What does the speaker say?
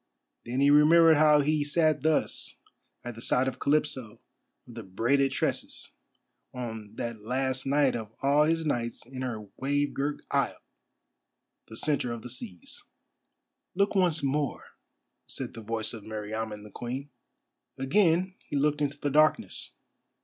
Then he remembered how he had sat thus at the side of Calypso of the braided tresses, on that last night of all his nights in her wave girt isle, the centre of the seas. "Look once more," said the voice of Meriamun the Queen. Again he looked into the darkness.